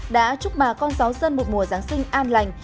đã chúc bà con giáo dân một mùa giáng sinh an lành